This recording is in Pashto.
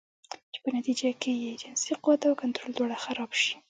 چې پۀ نتيجه کښې ئې جنسي قوت او کنټرول دواړه خراب شي